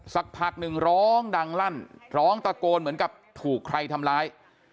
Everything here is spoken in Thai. สักพักหนึ่งร้องดังลั่นร้องตะโกนเหมือนกับถูกใครทำร้าย